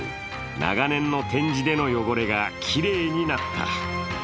長年の展示での汚れがきれいになった。